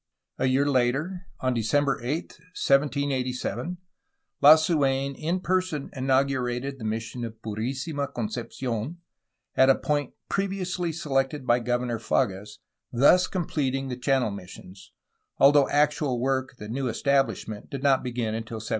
A year later, on December 8, 1787, Lasu^n in person in augurated the mission of Purlsima Concepci6n, at a point previously selected by Governor Fages, thus completing the Channel missions, although actual work at the new estabUsh ment did not begin until 1788.